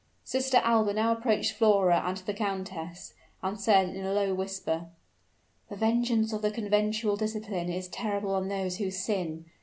Sister Alba now approached Flora and the countess, and said in a low whisper, "The vengeance of the conventual discipline is terrible on those who sin!